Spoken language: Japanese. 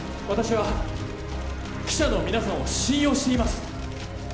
私は記者の皆さんを信用しています。